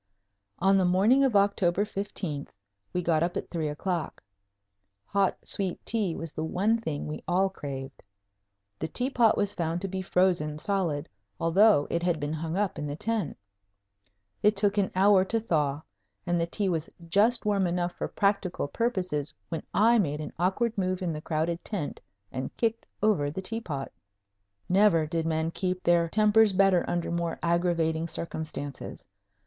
On the morning of October 15th we got up at three o'clock. Hot sweet tea was the one thing we all craved. The tea pot was found to be frozen solid, although it had been hung up in the tent. It took an hour to thaw and the tea was just warm enough for practical purposes when I made an awkward move in the crowded tent and kicked over the tea pot! Never did men keep their tempers better under more aggravating circumstances.